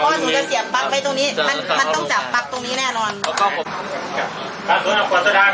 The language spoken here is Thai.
ค่ะควรจะได้ไปเลยเนี่ยแค่บัตรประชาติเท่าไหร่